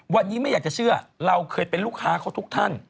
วันนี้ไม่อยากจะเชื่อเราเคยเป็นลูกค้าเขาทุกท่าน